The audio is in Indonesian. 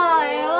eh mas belunya